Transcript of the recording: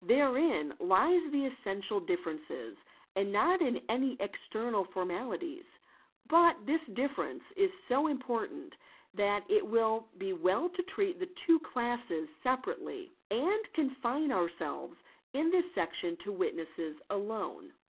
Therein lies the essential difference and not in any external formalities. | But this difference is so important that it will be well to treat the two | classes separately and confine ourselves in this section to witnesses alone.